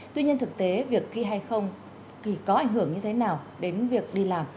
tuy nhiên thực tế việc thi hay không thì có ảnh hưởng như thế nào đến việc đi làm